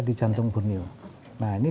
di jantung borneo nah ini